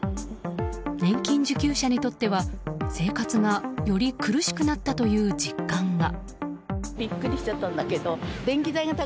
年金受給者にとっては生活がより苦しくなったという実感が。